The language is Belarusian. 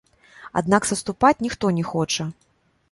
Аднак саступаць ніхто не хоча.